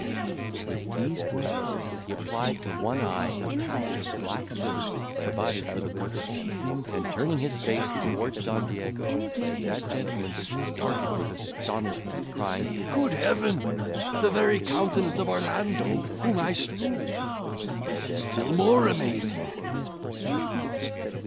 With these words, he applied to one eye a patch of black silk provided for the purpose, and turning his face towards Don Diego, that gentleman started with astonishment, crying, "Good Heaven! the very countenance of Orlando, whom I slew! this is still more amazing!"